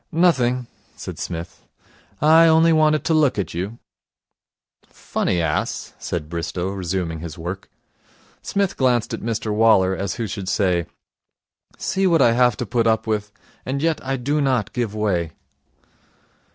'Nothing,' said Psmith. 'I only wanted to look at you.' 'Funny ass,' said Bristow, resuming his work. Psmith glanced at Mr Waller, as who should say, 'See what I have to put up with. And yet I do not give way.'